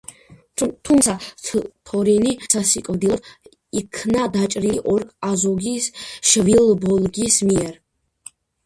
თუმცა, თორინი სასიკვდილოდ იქნა დაჭრილი ორკ აზოგის შვილ ბოლგის მიერ.